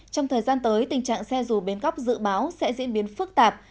trong thời gian tới tình trạng xe rù bến góc dự báo sẽ diễn biến phức tạp